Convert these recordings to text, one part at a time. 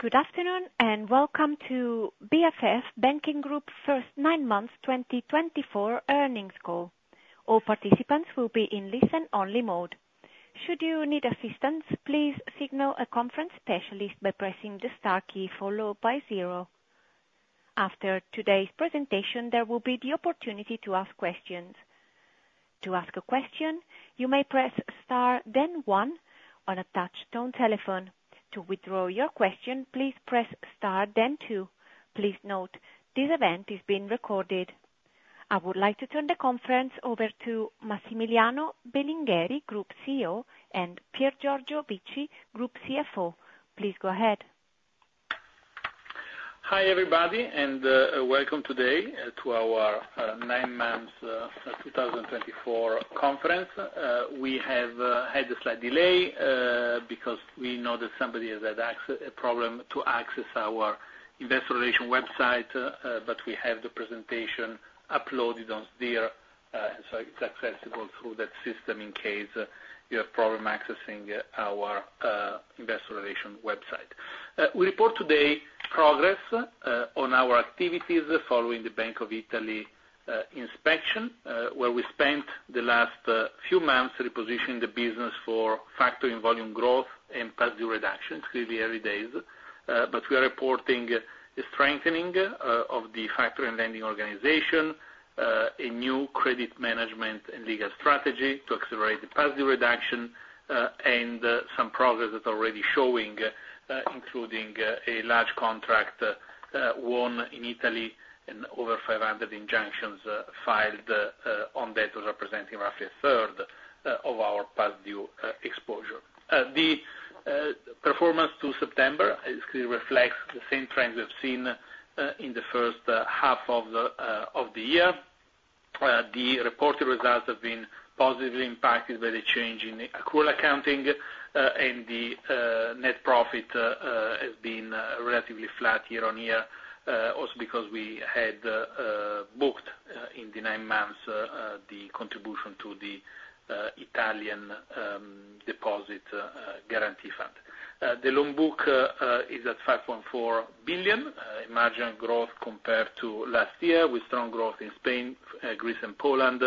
Good afternoon and welcome to BFF Banking Group's First 9 Months 2024 Earnings Call. All participants will be in listen-only mode. Should you need assistance, please signal a conference specialist by pressing the star key followed by zero. After today's presentation, there will be the opportunity to ask questions. To ask a question, you may press star, then one on a touch-tone telephone. To withdraw your question, please press star, then two. Please note this event is being recorded. I would like to turn the conference over to Massimiliano Belingheri, Group CEO, and Piergiorgio Bicci, Group CFO. Please go ahead. Hi, everybody, and welcome today to our nine months 2024 conference. We have had a slight delay because we know that somebody has had a problem accessing our investor relations website, but we have the presentation uploaded on there and so it's accessible through that system in case you have problem accessing our investor relations website. We report today progress on our activities following the Bank of Italy inspection where we spent the last few months repositioning the business for factoring volume growth and Past Due reduction through the early days, but we are reporting a strengthening of the factoring and lending organization, a new credit management and legal strategy to accelerate the Past Due reduction, and some progress that's already showing, including a large contract won in Italy and over 500 injunctions filed on debtors representing roughly a third of our Past Due exposure. The performance to September clearly reflects the same trends we've seen in the first half of the year. The reported results have been positively impacted by the change in accrual accounting, and the net profit has been relatively flat year-on-year, also because we had booked in the nine months the contribution to the Italian deposit guarantee fund. The loan book is at 5.4 billion, a margin growth compared to last year with strong growth in Spain, Greece, and Poland,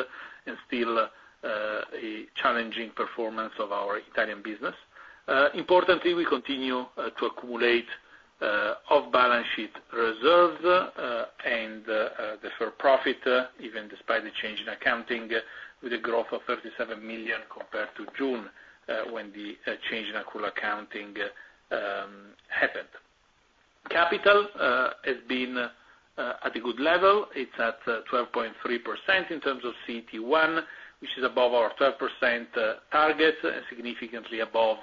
and still a challenging performance of our Italian business. Importantly, we continue to accumulate off-balance sheet reserves and the fair profit, even despite the change in accounting, with a growth of 37 million compared to June when the change in accrual accounting happened. Capital has been at a good level. It's at 12.3% in terms of CET1, which is above our 12% targets and significantly above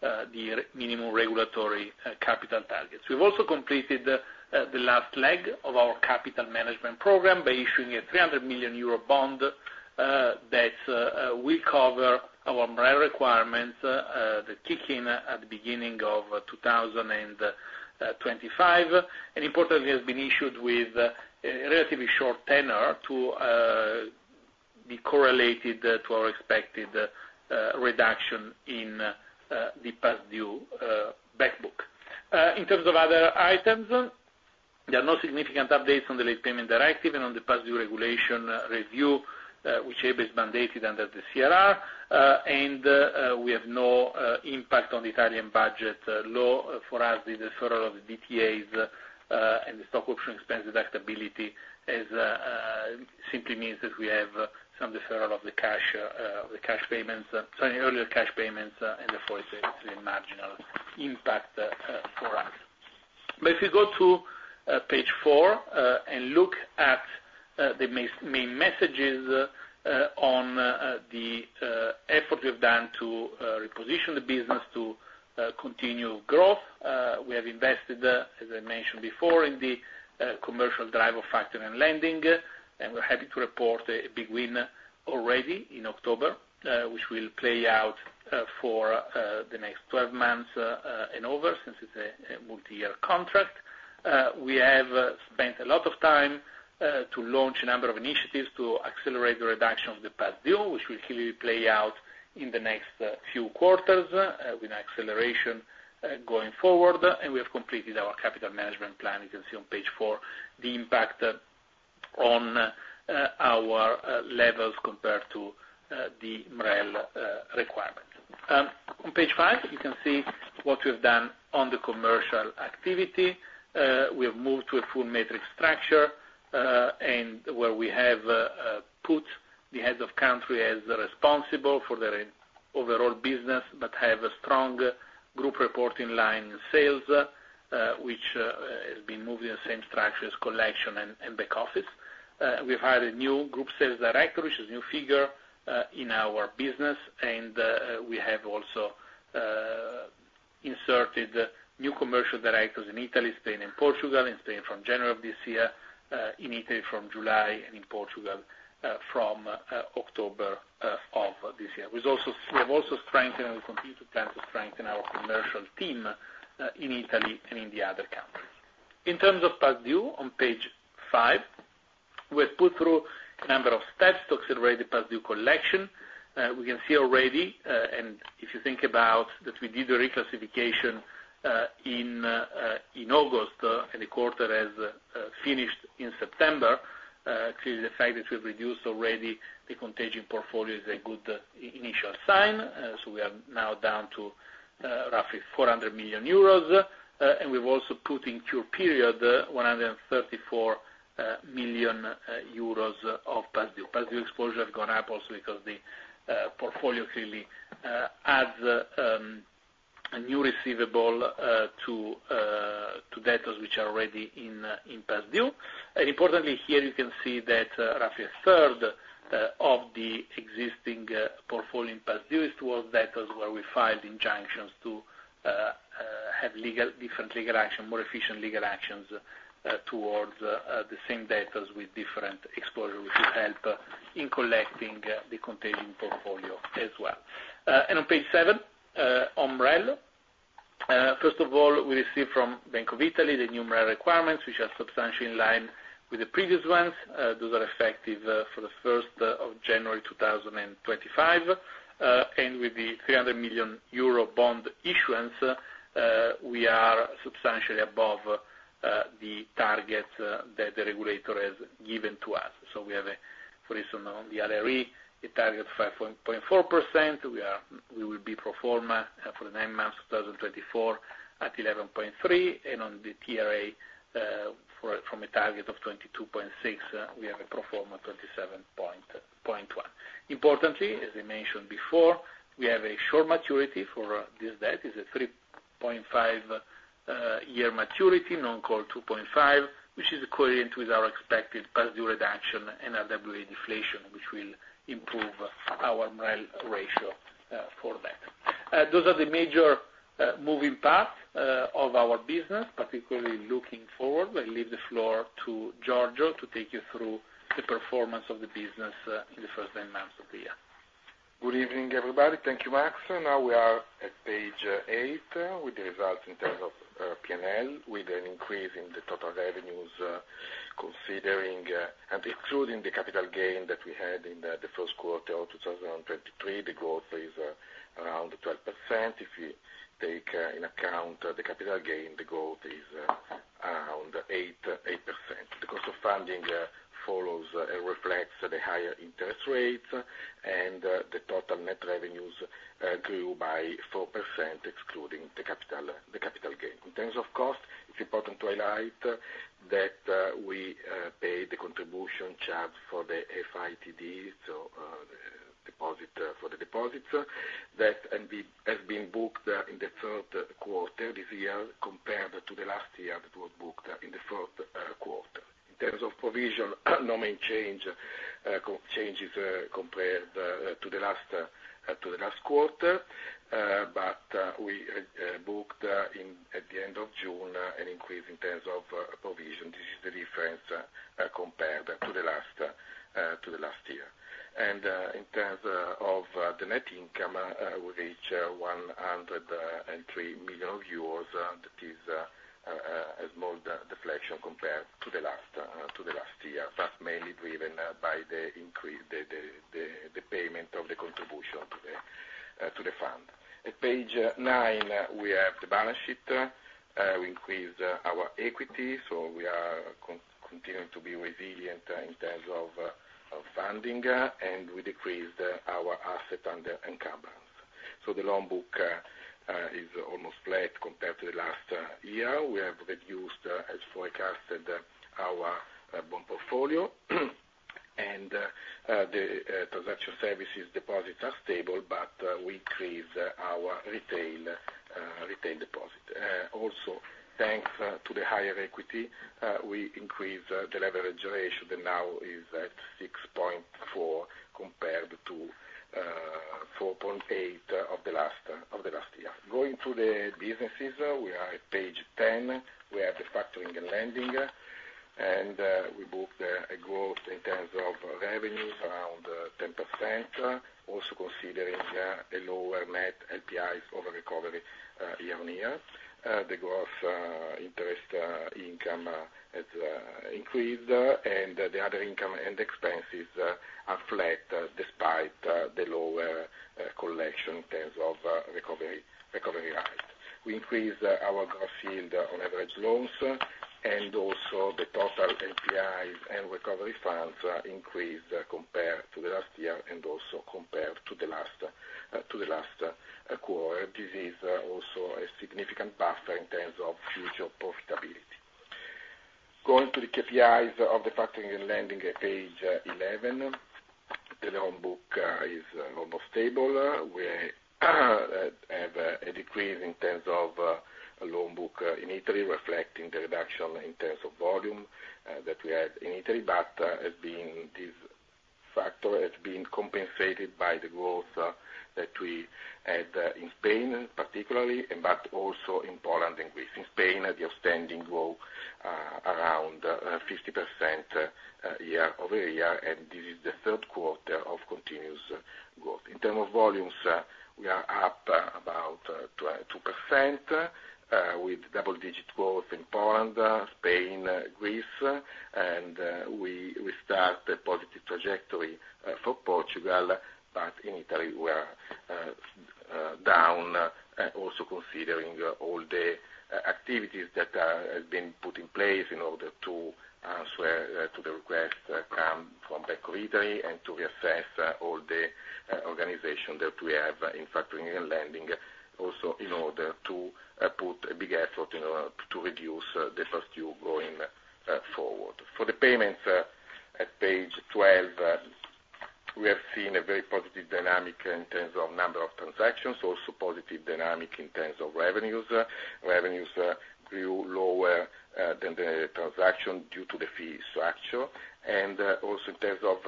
the minimum regulatory capital targets. We've also completed the last leg of our capital management program by issuing a 300 million euro bond that will cover our MREL requirements that kick in at the beginning of 2025. And importantly, it has been issued with a relatively short tenor to be correlated to our expected reduction in the Past Due back book. In terms of other items, there are no significant updates on the Late Payment Directive and on the Past Due regulation review, which EBA has mandated under the CRR. And we have no impact on the Italian budget law for us. The deferral of the DTAs and the stock option expense deductibility simply means that we have some deferral of the cash payments, sorry, earlier cash payments, and therefore it's a marginal impact for us. But if you go to page four and look at the main messages on the effort we've done to reposition the business to continue growth, we have invested, as I mentioned before, in the commercial drive of factoring and lending, and we're happy to report a big win already in October, which will play out for the next 12 months and over since it's a multi-year contract. We have spent a lot of time to launch a number of initiatives to accelerate the reduction of the Past Due, which will clearly play out in the next few quarters with acceleration going forward. And we have completed our capital management plan. You can see on page four the impact on our levels compared to the MREL requirements. On page five, you can see what we've done on the commercial activity. We have moved to a full matrix structure where we have put the head of country as responsible for their overall business, but have a strong group reporting line in sales, which has been moved in the same structure as collection and back office. We've hired a new group sales director, which is a new figure in our business, and we have also inserted new commercial directors in Italy, Spain, and Portugal, and Spain from January of this year, in Italy from July, and in Portugal from October of this year. We have also strengthened and we continue to plan to strengthen our commercial team in Italy and in the other countries. In terms of Past Due, on page five, we have put through a number of steps to accelerate the Past Due collection. We can see already, and if you think about that we did a reclassification in August, and the quarter has finished in September, clearly the fact that we've reduced already the contagion portfolio is a good initial sign. So we are now down to roughly 400 million euros, and we've also put in a cure period, 134 million euros of Past Due. Past Due exposure has gone up also because the portfolio clearly adds a new receivable to debtors which are already in Past Due. And importantly, here you can see that roughly a third of the existing portfolio in Past Due is towards debtors where we filed injunctions to have different legal actions, more efficient legal actions towards the same debtors with different exposure, which will help in collecting the contagion portfolio as well. And on page seven, on MREL, first of all, we received from Bank of Italy the new MREL requirements, which are substantially in line with the previous ones. Those are effective for the 1st of January 2025. And with the 300 million euro bond issuance, we are substantially above the targets that the regulator has given to us. So we have a, for instance, on the LR, a target of 5.4%. We will be pro forma for the nine months 2024 at 11.3%, and on the TREA from a target of 22.6%, we have a pro forma of 27.1%. Importantly, as I mentioned before, we have a short maturity for this debt. It's a 3.5-year maturity, non-called 2.5, which is coherent with our expected Past Due reduction and our RWA deflation, which will improve our MREL ratio for that. Those are the major moving parts of our business, particularly looking forward. I leave the floor to Piergiorgio to take you through the performance of the business in the first nine months of the year. Good evening, everybody. Thank you, Massimiliano Now we are at page eight with the results in terms of P&L, with an increase in the total revenues considering and excluding the capital gain that we had in the first quarter of 2023. The growth is around 12%. If you take in account the capital gain, the growth is around 8%. The cost of funding follows and reflects the higher interest rates, and the total net revenues grew by 4%, excluding the capital gain. In terms of cost, it's important to highlight that we paid the contribution charge for the FITD, so deposit for the deposits, that has been booked in the third quarter this year compared to the last year that was booked in the fourth quarter. In terms of provision, no main change compared to the last quarter, but we booked at the end of June an increase in terms of provision. This is the difference compared to the last year, and in terms of the net income, we reached 103 million euros. That is a small deviation compared to the last year, mainly driven by the payment of the contribution to the fund. At page nine, we have the balance sheet. We increased our equity, so we are continuing to be resilient in terms of funding, and we decreased our asset and encumbrance, so the loan book is almost flat compared to the last year. We have reduced, as forecasted, our bond portfolio, and the transaction services deposits are stable, but we increased our retail deposit. Also, thanks to the higher equity, we increased the leverage ratio that now is at 6.4 compared to 4.8 of the last year. Going to the businesses, we are at page 10. We have the factoring and lending, and we booked a growth in terms of revenues around 10%, also considering a lower net LPI over recovery year on year. The gross interest income has increased, and the other income and expenses are flat despite the lower collection in terms of recovery rate. We increased our gross yield on average loans, and also the total LPIs and recovery funds increased compared to the last year and also compared to the last quarter. This is also a significant buffer in terms of future profitability. Going to the KPIs of the factoring and lending at page 11, the loan book is almost stable. We have a decrease in terms of loan book in Italy, reflecting the reduction in terms of volume that we had in Italy, but this factor has been compensated by the growth that we had in Spain, particularly, but also in Poland and Greece. In Spain, the outstanding growth is around 50% year-over-year, and this is the third quarter of continuous growth. In terms of volumes, we are up about 2% with double-digit growth in Poland, Spain, Greece, and we start a positive trajectory for Portugal, but in Italy, we are down, also considering all the activities that have been put in place in order to answer to the request from Bank of Italy and to reassess all the organization that we have in factoring and lending, also in order to put a big effort in order to reduce the Past Due going forward. For the payments, at page 12, we have seen a very positive dynamic in terms of number of transactions, also positive dynamic in terms of revenues. Revenues grew lower than the transaction due to the fee structure. Also in terms of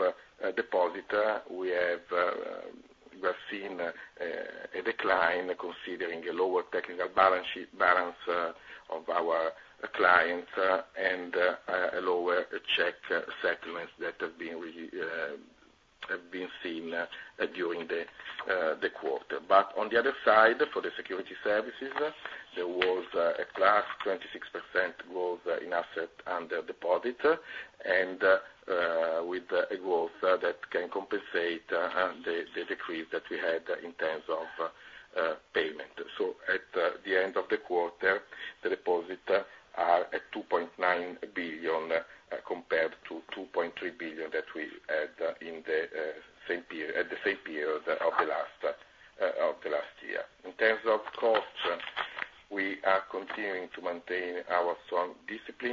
deposit, we have seen a decline considering a lower technical balance of our clients and a lower check settlements that have been seen during the quarter. On the other side, for the securities services, there was a plus 26% growth in asset under deposit and with a growth that can compensate the decrease that we had in terms of payment. At the end of the quarter, the deposit is at 2.9 billion compared to 2.3 billion that we had at the same period of the last year. In terms of cost, we are continuing to maintain our strong discipline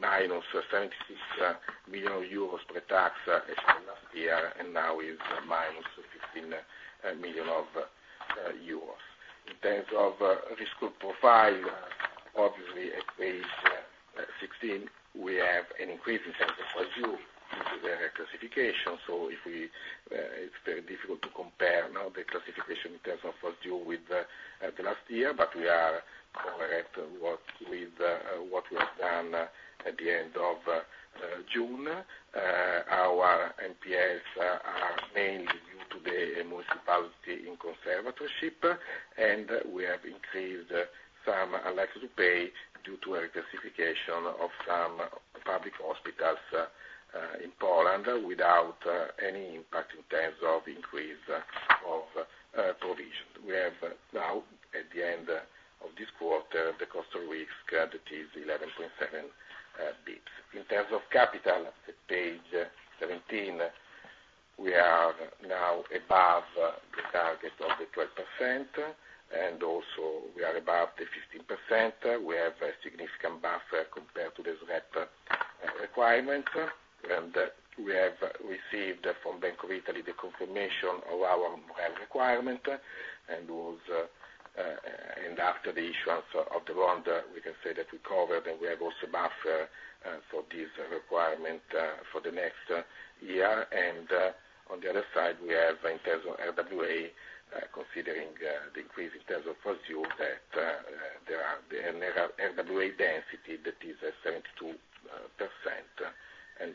-76 million euros pre-tax last year and now is -15 million euros. In terms of risk profile, obviously, at page 16, we have an increase in terms of Past Due due to the classification. So it's very difficult to compare now the classification in terms of Past Due with the last year, but we are correct with what we have done at the end of June. Our NPLs are mainly due to the municipality in conservatorship, and we have increased some unlikely to pay due to a classification of some public hospitals in Poland without any impact in terms of increase of provision. We have now, at the end of this quarter, the cost of risk that is 11.7 basis points. In terms of capital, at page 17, we are now above the target of the 12%, and also we are above the 15%. We have a significant buffer compared to the SREP requirement, and we have received from Bank of Italy the confirmation of our MREL requirement, and after the issuance of the bond, we can say that we covered and we have also buffer for this requirement for the next year. And on the other side, we have in terms of RWA, considering the increase in terms of Past Due, that there are RWA density that is 72%. And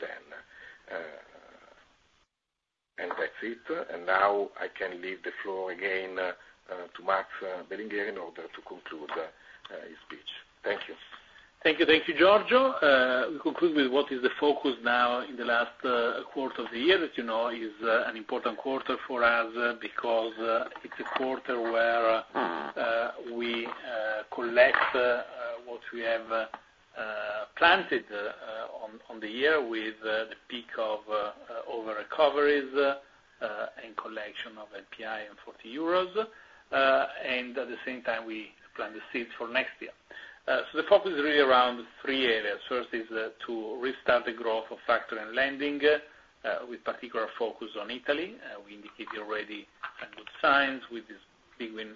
that's it. And now I can leave the floor again to Massimiliano Belingheri in order to conclude his speech. Thank you. Thank you. Thank you, Piergiorgio. We conclude with what is the focus now in the last quarter of the year that is an important quarter for us because it's a quarter where we collect what we have planted on the year with the peak of over-recoveries and collection of LPI and 40 euros. And at the same time, we plan the seeds for next year. So the focus is really around three areas. First is to restart the growth of factoring and lending with particular focus on Italy. We indicated already some good signs with this big win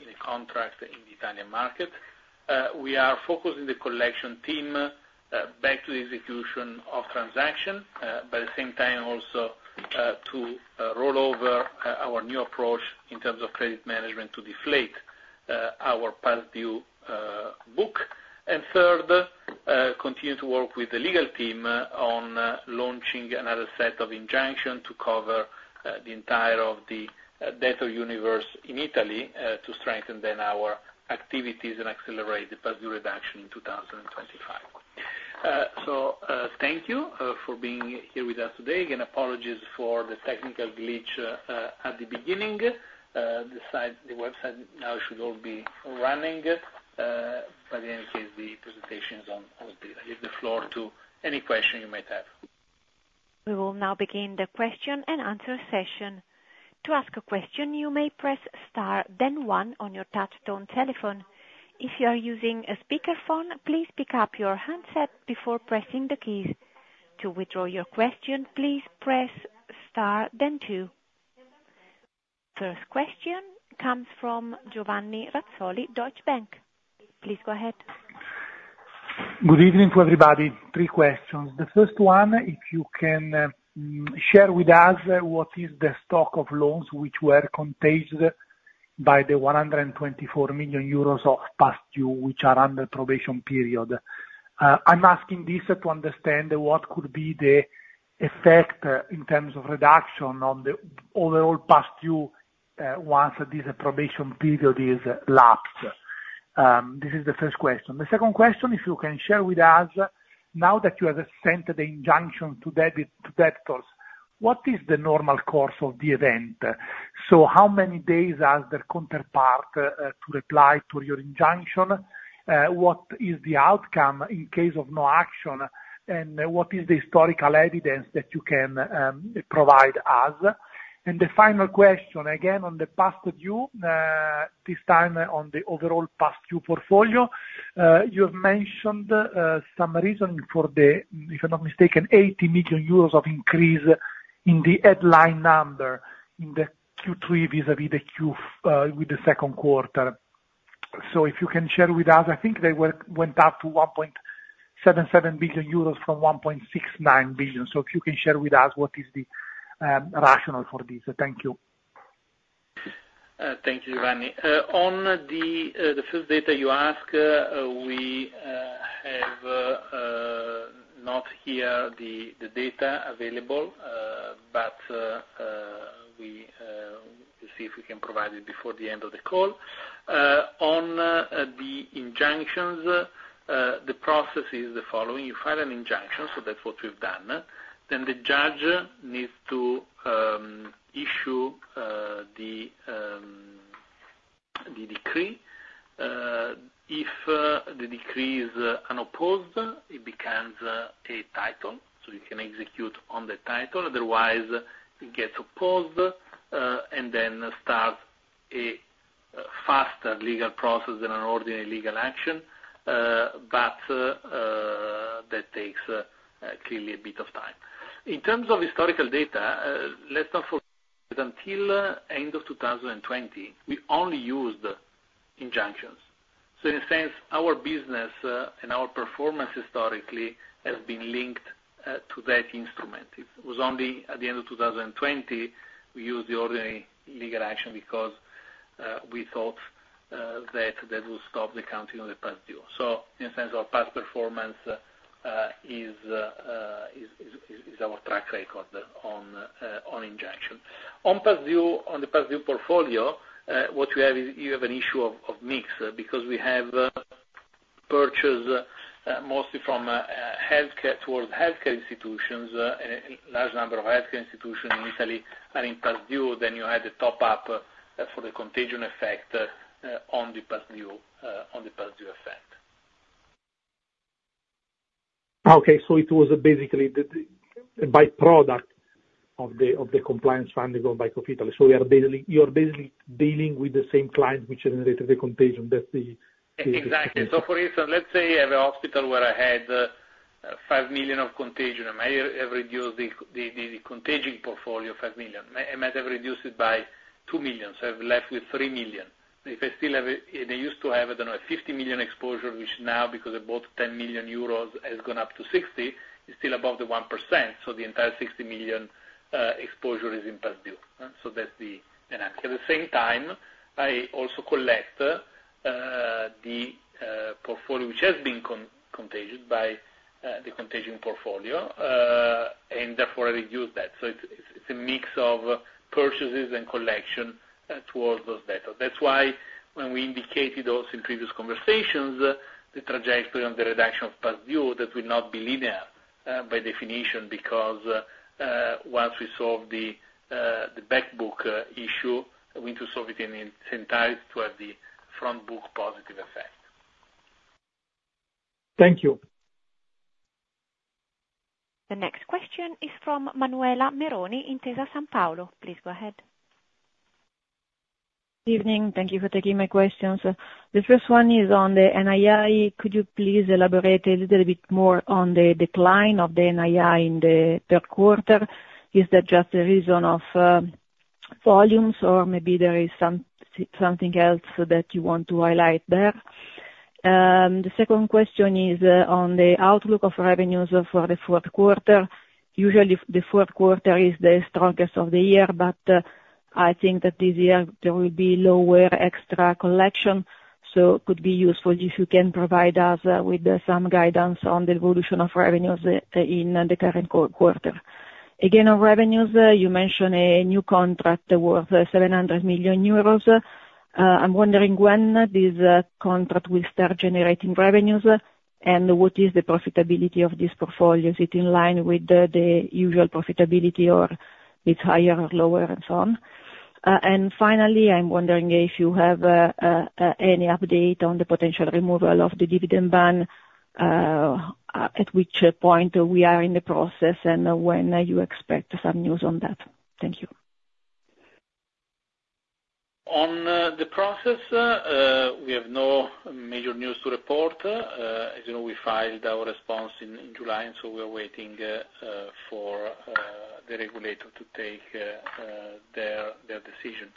in a contract in the Italian market. We are focusing the collection team back to the execution of transactions, but at the same time, also to roll over our new approach in terms of credit management to deflate our Past Due book. Third, continue to work with the legal team on launching another set of injunctions to cover the entirety of the debtor universe in Italy to strengthen our activities and accelerate the Past Due reduction in 2025, so thank you for being here with us today. Again, apologies for the technical glitch at the beginning. The website now should all be running, but in any case, the presentation is on. I leave the floor to any question you might have. We will now begin the question and answer session. To ask a question, you may press star, then one on your touch-tone telephone. If you are using a speakerphone, please pick up your handset before pressing the keys. To withdraw your question, please press star, then two. First question comes from Giovanni Razzoli, Deutsche Bank. Please go ahead. Good evening to everybody. Three questions. The first one, if you can share with us what is the stock of loans which were contagioned by the 124 million euros of Past Due, which are under probation period. I'm asking this to understand what could be the effect in terms of reduction on the overall Past Due once this probation period is lapsed. This is the first question. The second question, if you can share with us, now that you have sent the injunction to debtors, what is the normal course of the event? So how many days has the counterparty to reply to your injunction? What is the outcome in case of no action? And what is the historical evidence that you can provide us? And the final question, again on the Past Due, this time on the overall Past Due portfolio. You have mentioned some reasoning for the, if I'm not mistaken, 80 million euros of increase in the headline number in the Q3 vis-à-vis the Q2 with the second quarter. So if you can share with us, I think they went up to 1.77 billion euros from 1.69 billion. So if you can share with us what is the rationale for this? Thank you. Thank you, Giovanni. On the first data you asked, we have not here the data available, but we'll see if we can provide it before the end of the call. On the injunctions, the process is the following. You file an injunction, so that's what we've done. Then the judge needs to issue the decree. If the decree is unopposed, it becomes a title, so you can execute on the title. Otherwise, it gets opposed and then starts a faster legal process than an ordinary legal action, but that takes clearly a bit of time. In terms of historical data, let's not forget that until the end of 2020, we only used injunctions. So in a sense, our business and our performance historically has been linked to that instrument. It was only at the end of 2020 we used the ordinary legal action because we thought that that would stop the counting of the Past Due. So in a sense, our past performance is our track record on injunction. On the Past Due portfolio, what you have is you have an issue of mix because we have purchased mostly from healthcare towards healthcare institutions. A large number of healthcare institutions in Italy are in Past Due. Then you add the top-up for the contagion effect on the Past Due effect. It was basically the byproduct of the compliance funding by Capitolis. You are basically dealing with the same clients which generated the contagion. Exactly. So for instance, let's say you have a hospital where I had 5 million of contagion. I may have reduced the contagion portfolio of 5 million. I might have reduced it by 2 million. So I'm left with 3 million. They used to have, I don't know, a 50 million exposure, which now, because they bought 10 million euros, has gone up to 60 million. It's still above the 1%. So the entire 60 million exposure is in Past Due So that's the dynamic. At the same time, I also collect the portfolio which has been contaminated by the contagion portfolio, and therefore I reduce that. So it's a mix of purchases and collection towards those debtors. That's why when we indicated also in previous conversations the trajectory on the reduction of Past Due that will not be linear by definition because once we solve the backbook issue, we need to solve it incentivized towards the front book positive effect. Thank you. The next question is from Manuela Meroni in Intesa Sanpaolo. Please go ahead. Good evening. Thank you for taking my questions. The first one is on the NII. Could you please elaborate a little bit more on the decline of the NII in the third quarter? Is that just the reason of volumes, or maybe there is something else that you want to highlight there? The second question is on the outlook of revenues for the fourth quarter. Usually, the fourth quarter is the strongest of the year, but I think that this year there will be lower extra collection. So it could be useful if you can provide us with some guidance on the evolution of revenues in the current quarter. Again, on revenues, you mentioned a new contract worth 700 million euros. I'm wondering when this contract will start generating revenues and what is the profitability of this portfolio? Is it in line with the usual profitability or it's higher or lower and so on? And finally, I'm wondering if you have any update on the potential removal of the dividend ban, at which point we are in the process, and when you expect some news on that. Thank you. On the process, we have no major news to report. As you know, we filed our response in July, and so we are waiting for the regulator to take their decision.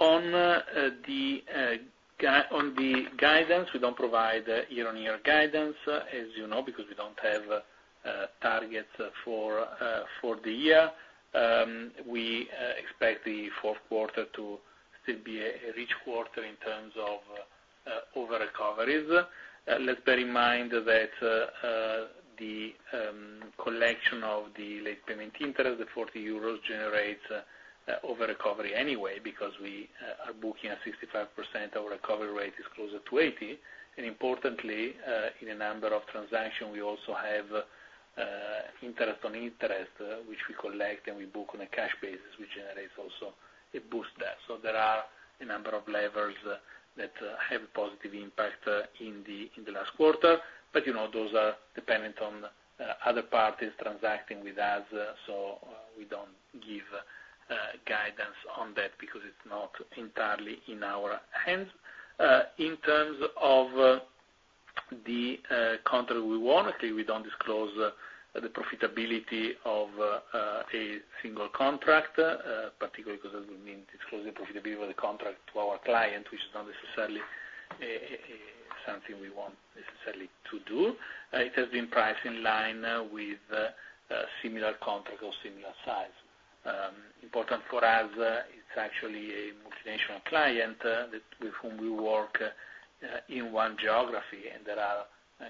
On the guidance, we don't provide year-on-year guidance, as you know, because we don't have targets for the year. We expect the fourth quarter to still be a rich quarter in terms of over-recoveries. Let's bear in mind that the collection of the late payment interest, the 40 euros, generates over-recovery anyway because we are booking a 65% over-recovery rate that's closer to 80%. And importantly, in the number of transactions, we also have interest on interest, which we collect and we book on a cash basis, which generates also a boost there. There are a number of levers that have a positive impact in the last quarter, but those are dependent on other parties transacting with us, so we don't give guidance on that because it's not entirely in our hands. In terms of the contract we want, we don't disclose the profitability of a single contract, particularly because that would mean disclosing the profitability of the contract to our client, which is not necessarily something we want necessarily to do. It has been priced in line with similar contract or similar size. Important for us, it's actually a multinational client with whom we work in one geography, and there are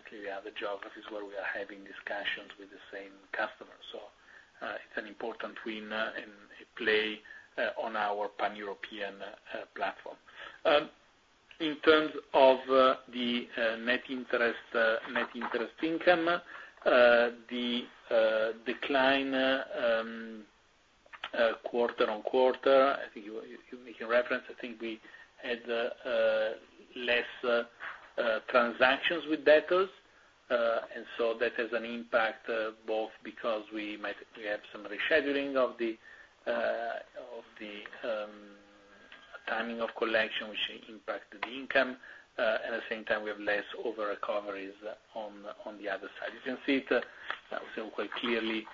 clearly other geographies where we are having discussions with the same customers. So it's an important win and a play on our pan-European platform. In terms of the net interest income, the decline quarter on quarter, I think you're making reference. I think we had less transactions with debtors, and so that has an impact both because we have some rescheduling of the timing of collection, which impacted the income, and at the same time, we have less over-recoveries on the other side. You can see it, I would say, quite clearly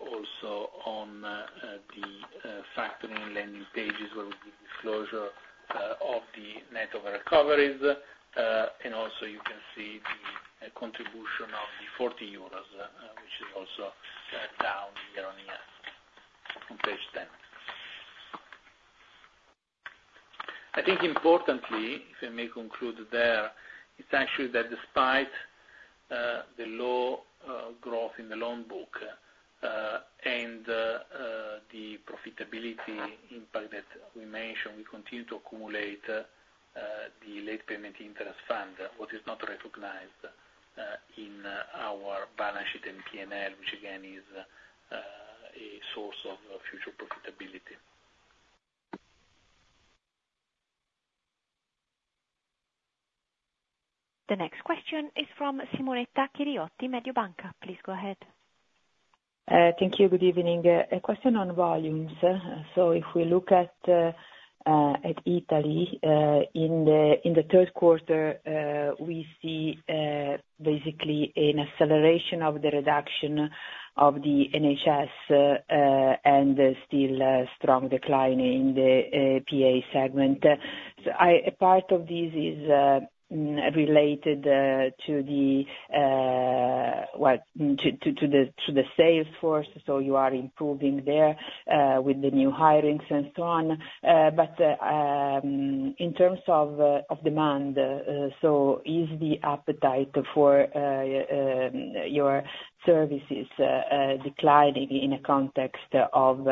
also on the factoring and lending pages where we did disclosure of the net over-recoveries, and also you can see the contribution of the 40 euros, which is also down year on year from page 10. I think importantly, if I may conclude there, it's actually that despite the low growth in the loan book and the profitability impact that we mentioned, we continue to accumulate the late payment interest fund, what is not recognized in our balance sheet and P&L, which again is a source of future profitability. The next question is from Simonetta Chiriotti, Mediobanca. Please go ahead. Thank you. Good evening. A question on volumes. So if we look at Italy, in the third quarter, we see basically an acceleration of the reduction of the NHS and still strong decline in the PA segment. So part of this is related to the sales force, so you are improving there with the new hirings and so on. But in terms of demand, so is the appetite for your services declining in a context of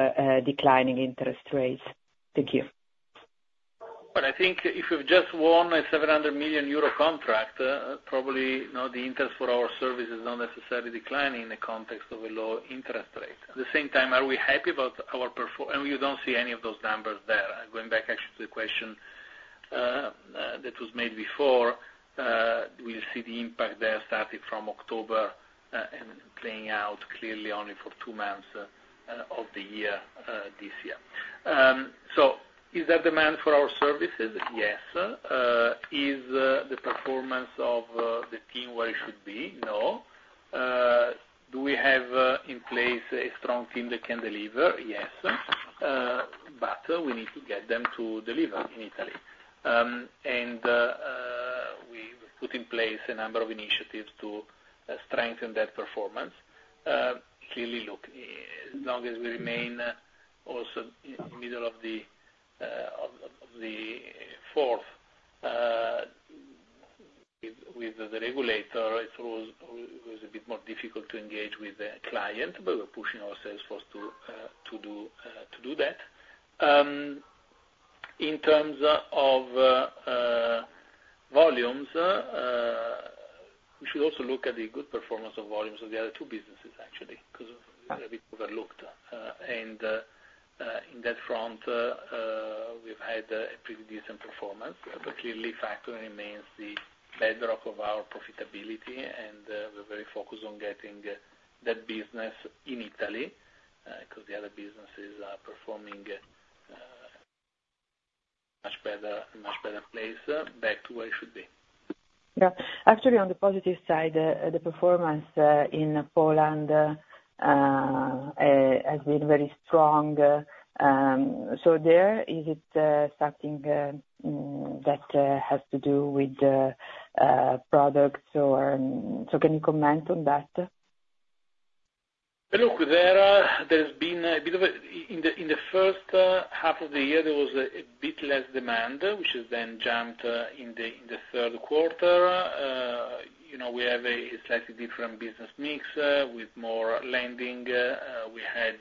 declining interest rates? Thank you. I think if we've just won a 700 million euro contract, probably the interest for our services is not necessarily declining in the context of a low interest rate. At the same time, are we happy about our performance? We don't see any of those numbers there. Going back actually to the question that was made before, we'll see the impact there starting from October and playing out clearly only for two months of the year this year. Is there demand for our services? Yes. Is the performance of the team where it should be? No. Do we have in place a strong team that can deliver? Yes. We need to get them to deliver in Italy. We've put in place a number of initiatives to strengthen that performance. Clearly, look, as long as we remain also in the middle of the fourth with the regulator, it was a bit more difficult to engage with the client, but we're pushing our sales force to do that. In terms of volumes, we should also look at the good performance of volumes of the other two businesses, actually, because they're a bit overlooked, and in that front, we've had a pretty decent performance, but clearly factoring remains the bedrock of our profitability, and we're very focused on getting that business in Italy because the other businesses are performing much better in a much better place, back to where it should be. Yeah. Actually, on the positive side, the performance in Poland has been very strong. So there, is it something that has to do with products or so? Can you comment on that? Look, there has been a bit of a in the first half of the year. There was a bit less demand, which has then jumped in the third quarter. We have a slightly different business mix with more lending. We had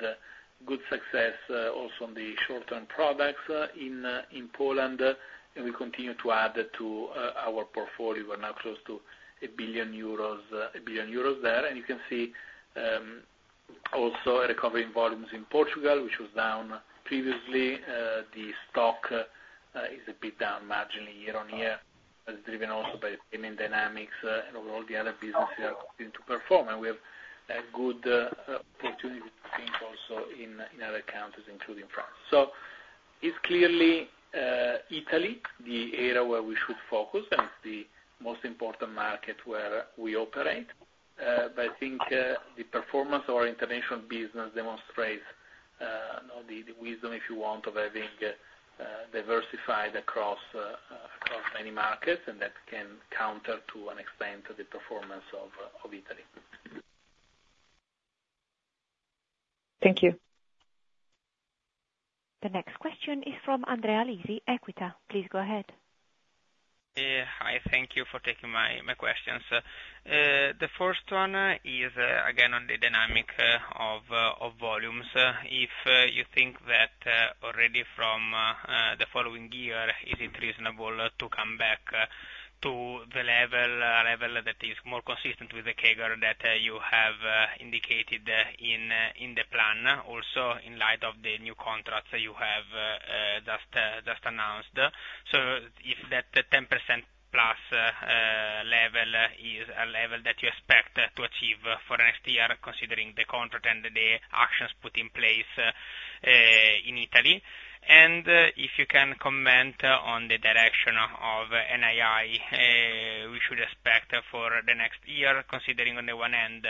good success also on the short-term products in Poland, and we continue to add that to our portfolio. We're now close to 1 billion euros there. And you can see also recovering volumes in Portugal, which was down. Previously, the stock is a bit down marginally year on year, driven also by the payment dynamics, and all the other businesses are continuing to perform. And we have good opportunity to think also in other countries, including France. It's clearly Italy, the area where we should focus, and it's the most important market where we operate. But I think the performance of our international business demonstrates the wisdom, if you want, of having diversified across many markets, and that can counter to an extent the performance of Italy. Thank you. The next question is from Andrea Lisi, Equita. Please go ahead. Hi. Thank you for taking my questions. The first one is, again, on the dynamic of volumes. If you think that already from the following year, is it reasonable to come back to the level that is more consistent with the CAGR that you have indicated in the plan, also in light of the new contracts that you have just announced? So if that 10%+ level is a level that you expect to achieve for next year, considering the contract and the actions put in place in Italy? And if you can comment on the direction of NII we should expect for the next year, considering on the one hand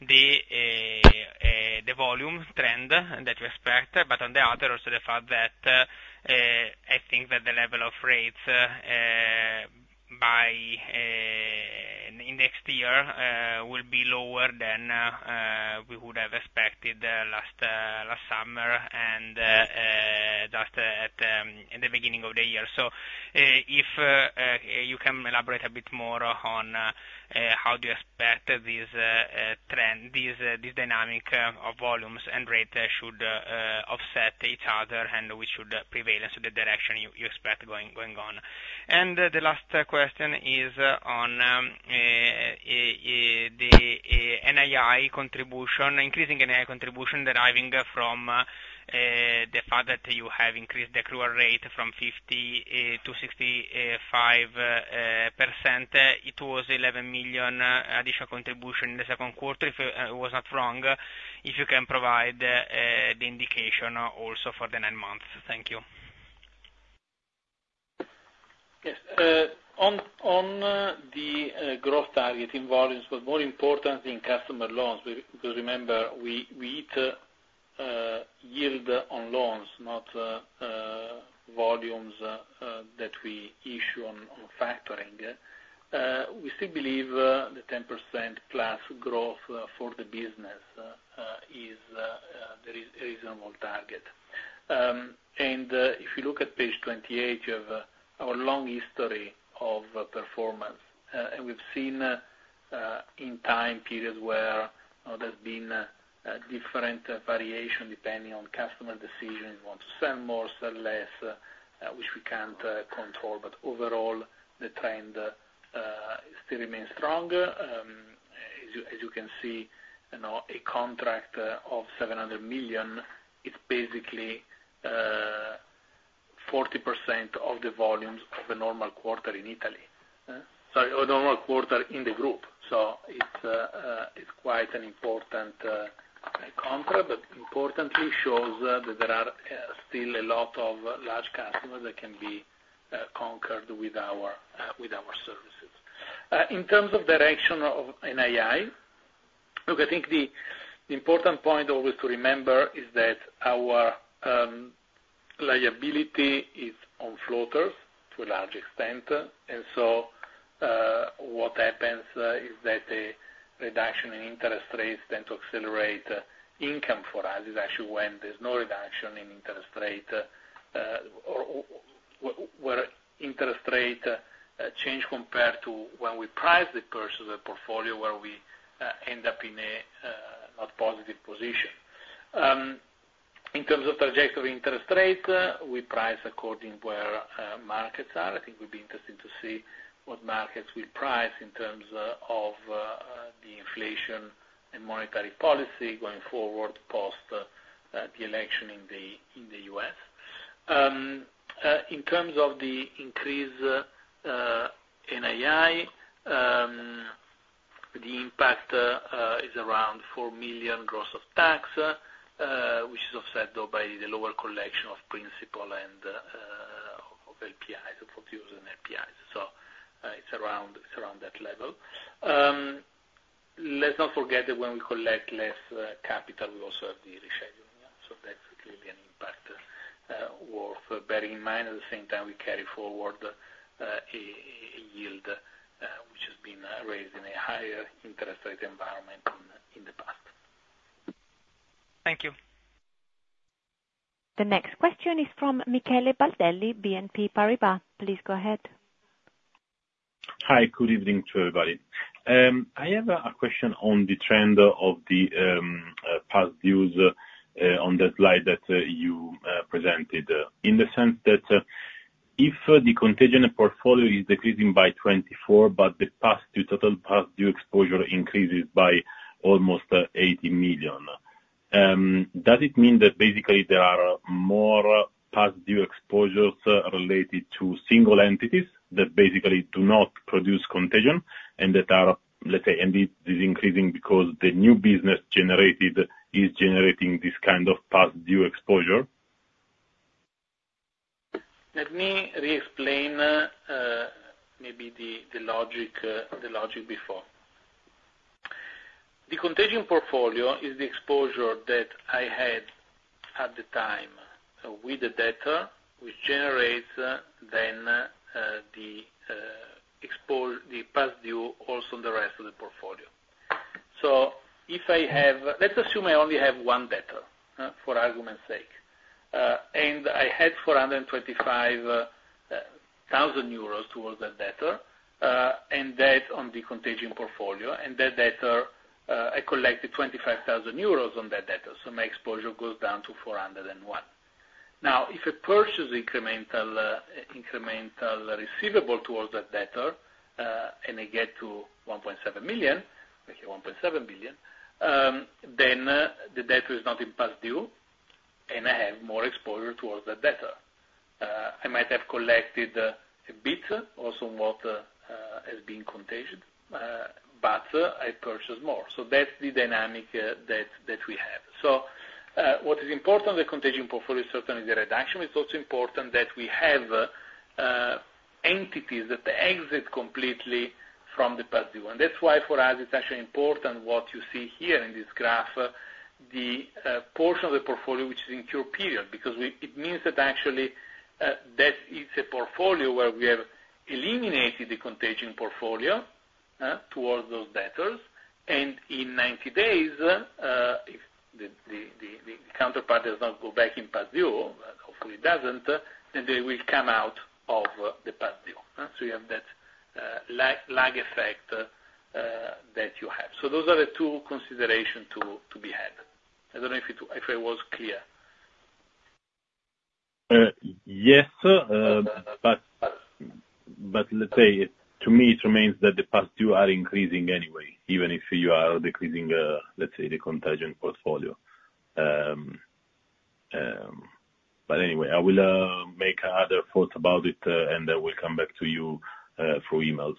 the volume trend that we expect, but on the other also the fact that I think that the level of rates by next year will be lower than we would have expected last summer and just at the beginning of the year. So if you can elaborate a bit more on how do you expect this trend, this dynamic of volumes and rates should offset each other and which should prevail in the direction you expect going on. And the last question is on the increasing NII contribution deriving from the fact that you have increased the accrual rate from 50% to 65%. It was 11 million additional contribution in the second quarter. If I was not wrong, if you can provide the indication also for the nine months. Thank you. Yes. On the growth target in volumes, but more importantly in customer loans, because remember, we earn yield on loans, not volumes that we issue on factoring. We still believe the 10% plus growth for the business is a reasonable target, and if you look at page 28, you have our long history of performance, and we've seen in time periods where there's been different variation depending on customer decisions. We want to sell more, sell less, which we can't control, but overall, the trend still remains strong. As you can see, a contract of 700 million, it's basically 40% of the volumes of a normal quarter in Italy. Sorry, a normal quarter in the group. So it's quite an important contract, but importantly shows that there are still a lot of large customers that can be conquered with our services. In terms of direction of NII, look, I think the important point always to remember is that our liability is on floaters to a large extent, and so what happens is that the reduction in interest rates tends to accelerate income for us. It's actually when there's no reduction in interest rate or where interest rate change compared to when we price the purchase of the portfolio where we end up in a not positive position. In terms of trajectory of interest rate, we price according to where markets are. I think it would be interesting to see what markets we price in terms of the inflation and monetary policy going forward post the election in the U.S. In terms of the increase in NII, the impact is around 4 million gross of tax, which is offset by the lower collection of principal and of LPIs, of float yields and LPIs. So it's around that level. Let's not forget that when we collect less capital, we also have the rescheduling. So that's clearly an impact worth bearing in mind. At the same time, we carry forward a yield which has been raised in a higher interest rate environment in the past. Thank you. The next question is from Michele Baldelli, BNP Paribas. Please go ahead. Hi. Good evening to everybody. I have a question on the trend of the Past Due on the slide that you presented, in the sense that if the contagion portfolio is decreasing by 24, but the total Past Due exposure increases by almost 80 million, does it mean that basically there are more Past Due exposures related to single entities that basically do not produce contagion and that are, let's say, and this is increasing because the new business generated is generating this kind of Past Due exposure? Let me re-explain maybe the logic before. The contagion portfolio is the exposure that I had at the time with the debtor, which generates then the Past Due also on the rest of the portfolio. So if I have, let's assume I only have one debtor, for argument's sake, and I had 425,000 euros towards that debtor, and that's on the contagion portfolio, and that debtor, I collected 25,000 euros on that debtor, so my exposure goes down to 401,000. Now, if I purchase incremental receivable towards that debtor and I get to 1.7 million, 1.7 billion, then the debtor is not in Past Due, and I have more exposure towards that debtor. I might have collected a bit also on what has been contingent, but I purchase more. So that's the dynamic that we have. So what is important in the contagion portfolio is certainly the reduction. It's also important that we have entities that exit completely from the Past Due. That's why for us it's actually important what you see here in this graph, the portion of the portfolio which is in cure period, because it means that actually that is a portfolio where we have eliminated the contagion portfolio towards those debtors, and in 90 days, if the counterparty does not go back in Past Due, hopefully it doesn't, then they will come out of the Past Due. You have that lag effect that you have. Those are the two considerations to be had. I don't know if I was clear. Yes, but let's say, to me, it remains that the Past Due are increasing anyway, even if you are decreasing, let's say, the contagion portfolio. But anyway, I will make other thoughts about it, and I will come back to you through emails.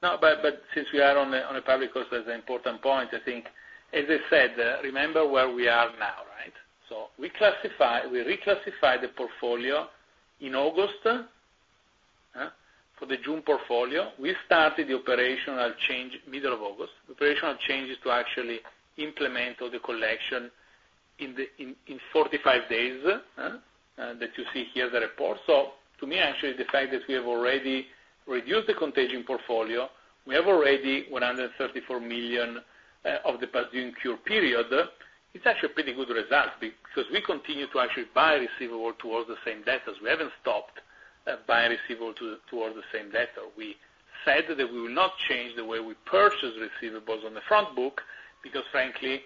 No, but since we are on a public course, that's an important point. I think, as I said, remember where we are now, right? So we reclassified the portfolio in August for the June portfolio. We started the operational change middle of August. The operational change is to actually implement all the collection in 45 days that you see here in the report. So to me, actually, the fact that we have already reduced the Contagion Portfolio, we have already 134 million of the Past Due incurred period, it's actually a pretty good result because we continue to actually buy receivable towards the same debtors. We haven't stopped buying receivable towards the same debtor. We said that we will not change the way we purchase receivables on the front book because, frankly,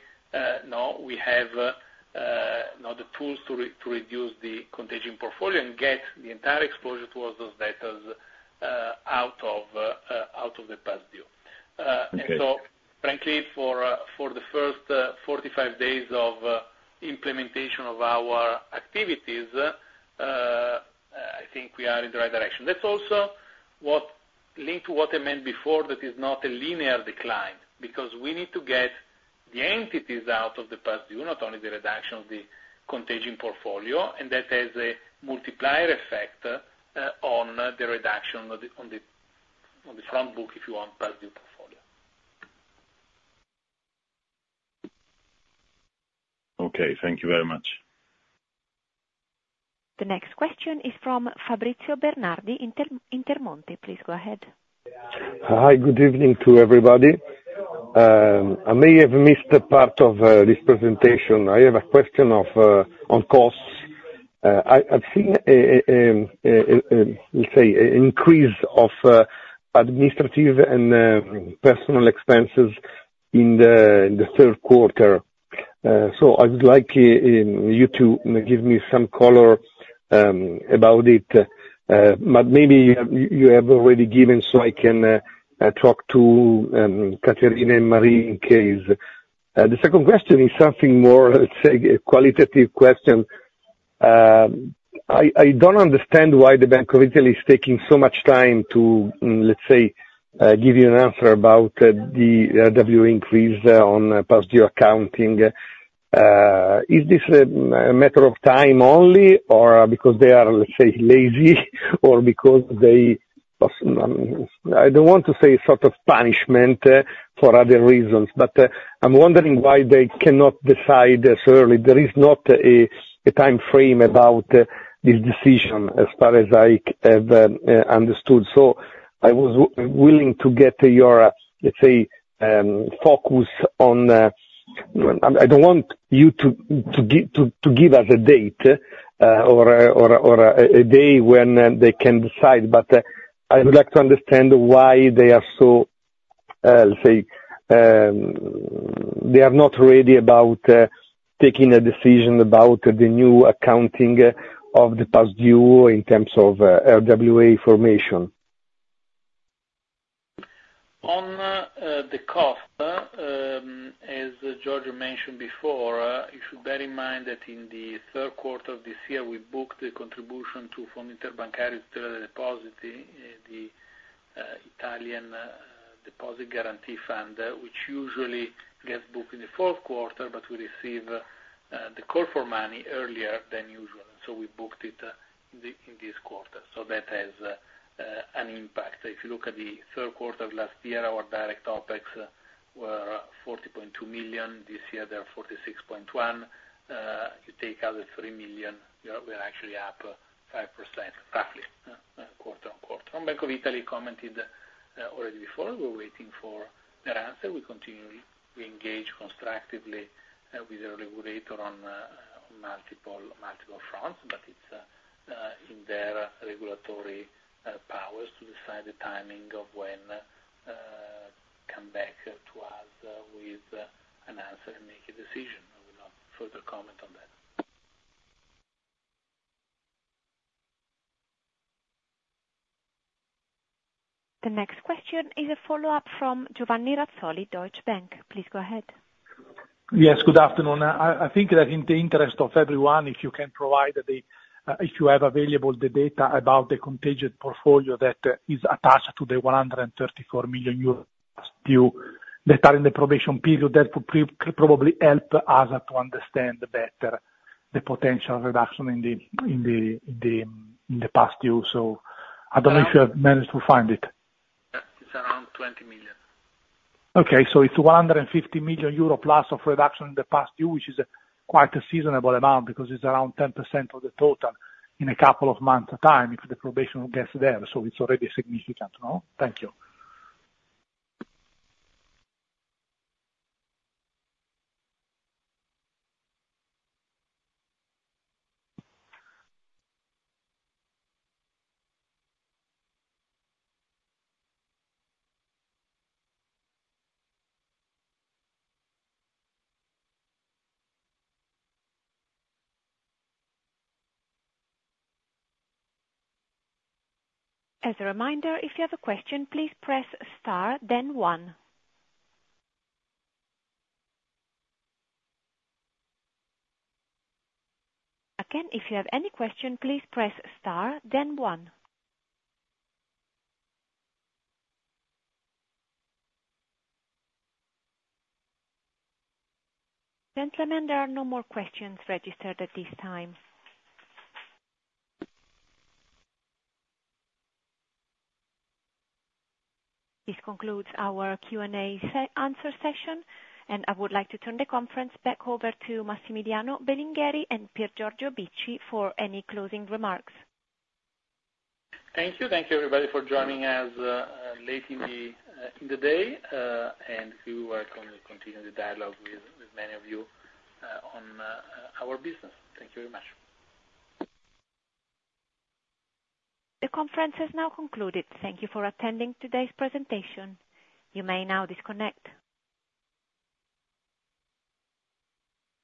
no, we have the tools to reduce the contingent portfolio and get the entire exposure towards those debtors out of the Past Due, and so, frankly, for the first 45 days of implementation of our activities, I think we are in the right direction. That's also linked to what I meant before that is not a linear decline because we need to get the entities out of the pPast Due, not only the reduction of the contingent portfolio, and that has a multiplier effect on the reduction on the front book, if you want, Past Due portfolio. Okay. Thank you very much. The next question is from Fabrizio Bernardi. Intermonte, please go ahead. Hi. Good evening to everybody. I may have missed a part of this presentation. I have a question on costs. I've seen, let's say, an increase of administrative and personnel expenses in the third quarter. So I would like you to give me some color about it, but maybe you have already given so I can talk to Caterina and Marie in case. The second question is something more, let's say, qualitative question. I don't understand why the Bank of Italy is taking so much time to, let's say, give you an answer about the RWA increase on Past Due accounting. Is this a matter of time only or because they are, let's say, lazy or because they, I don't want to say sort of punishment for other reasons, but I'm wondering why they cannot decide so early. There is not a time frame about this decision as far as I have understood. So I was willing to get your, let's say, focus on I don't want you to give us a date or a day when they can decide, but I would like to understand why they are so, let's say, they are not ready about taking a decision about the new accounting of the Past Due in terms of RWA formation. On the cost, as Piergiorgio mentioned before, you should bear in mind that in the third quarter of this year, we booked the contribution to Fondo Interbancario di Tutela dei Depositi, the Italian Deposit Guarantee Fund, which usually gets booked in the fourth quarter, but we receive the call for money earlier than usual. And so we booked it in this quarter. So that has an impact. If you look at the third quarter of last year, our direct OpEx were 40.2 million. This year, they're 46.1 million. You take out the 3 million, we're actually up 5%, roughly, quarter on quarter. And Bank of Italy commented already before, we're waiting for their answer. We continue to engage constructively with their regulator on multiple fronts, but it's in their regulatory powers to decide the timing of when to come back to us with an answer and make a decision. I will not further comment on that. The next question is a follow-up from Giovanni Razzoli, Deutsche Bank. Please go ahead. Yes. Good afternoon. I think that in the interest of everyone, if you can provide, if you have available, the data about the contagion portfolio that is attached to the 134 million euros Past Due that are in the probation period, that would probably help us to understand better the potential reduction in the Past Due. I don't know if you have managed to find it. It's around 20 million. Okay. So it's 150 million euro plus of reduction in the Past Due, which is quite a sizable amount because it's around 10% of the total in a couple of months' time if the probation gets there. So it's already significant. Thank you. As a reminder, if you have a question, please press star, then one. Again, if you have any question, please press star, then one. Gentlemen, there are no more questions registered at this time. This concludes our Q&A answer session, and I would like to turn the conference back over to Massimiliano Belingheri and Piergiorgio Bicci for any closing remarks. Thank you. Thank you, everybody, for joining us late in the day, and we will continue the dialogue with many of you on our business. Thank you very much. The conference has now concluded. Thank you for attending today's presentation. You may now disconnect.